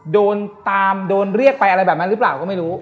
โดนตามโดนเรียกไปอะไรแบบนั้นหรือเปล่าก็ไม่รู้